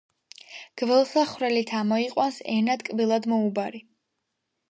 გველსა ხვრელით ამოიყვანს ენა ტკბილად მოუბარი